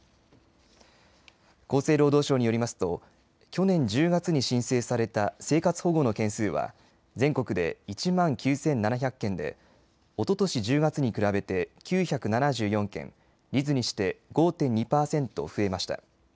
厚生労働省によりますと去年１０月に申請された生活保護の件数は全国で１万９７００件でおととし１０月に比べて９７４件率にして５．２％増えました。